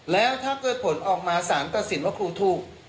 แล้วถ้าเกิดผลออกมาสารตัดสินว่าครูถูก